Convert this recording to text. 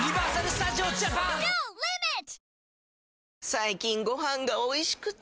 最近ご飯がおいしくて！